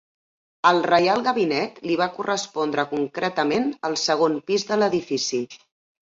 Al Reial Gabinet li va correspondre concretament el segon pis de l'edifici.